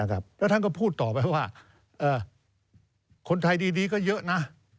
แล้วท่านก็พูดต่อไปว่าคนไทยดีก็เยอะนะ